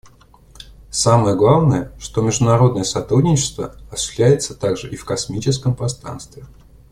Самое главное, что международное сотрудничество осуществляется также и в космическом пространстве.